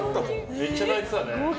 めっちゃ泣いてたね。